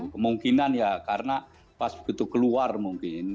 kemungkinan ya karena pas begitu keluar mungkin